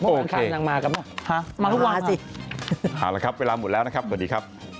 โอเคมาก็ว่าสิหาละครับเวลาหมดแล้วนะครับสวัสดีครับ